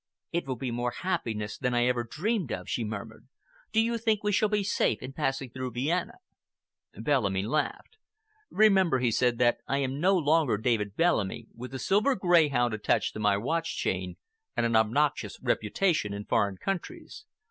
"It will be more happiness than I ever dreamed of," she murmured. "Do you think we shall be safe in passing through Vienna?" Bellamy laughed. "Remember," he said, "that I am no longer David Bellamy, with a silver greyhound attached to my watch chain and an obnoxious reputation in foreign countries.